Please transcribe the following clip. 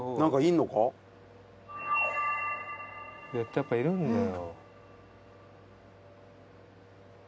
やっぱいるんだよ。